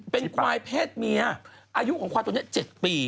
เป็นควายเพศเมียอายุของควายตัวนี้๗ปี